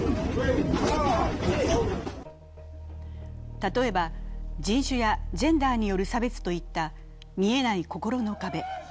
例えば人種やジェンダーによる差別といった見えない心の壁。